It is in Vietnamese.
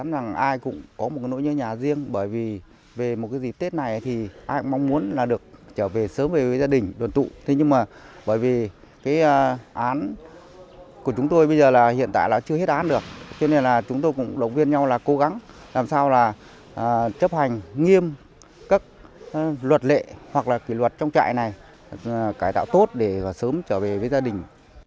luật lệ hoặc là kỷ luật trong trại này cải tạo tốt để sớm trở về với gia đình